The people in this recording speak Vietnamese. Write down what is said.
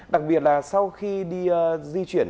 đặc biệt là sau khi đi di chuyển